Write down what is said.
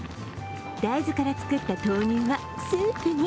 大豆から作った豆乳はスープに。